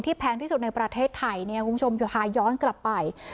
แพงที่สุดในประเทศไทยเนี่ยคุณผู้ชมเดี๋ยวพาย้อนกลับไป